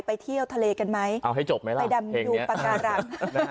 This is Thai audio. ไปเที่ยวทะเลกันไหมเอาให้จบไหมล่ะไปดำดูปากการัง